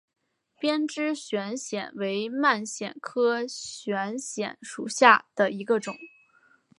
鞭枝悬藓为蔓藓科悬藓属下的一个种。